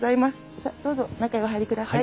さあどうぞ中へお入りください。